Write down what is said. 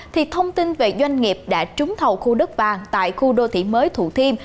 thì thông tin về doanh nghiệp đã trúng thầu khu đất vàng tại khu đô thị mới thủ thiêm